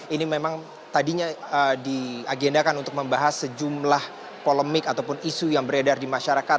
ini memang tadinya diagendakan untuk membahas sejumlah polemik ataupun isu yang beredar di masyarakat